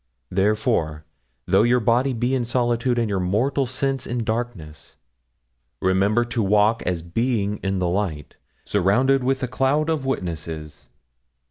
Therefore, though your body be in solitude and your mortal sense in darkness, remember to walk as being in the light, surrounded with a cloud of witnesses.